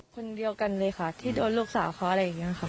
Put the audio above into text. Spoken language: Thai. คนเดียวกันเลยค่ะที่โดนลูกสาวเขาอะไรอย่างนี้ค่ะ